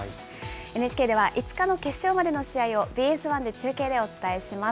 ＮＨＫでは５日の決勝までの試合をＢＳ１で中継でお伝えします。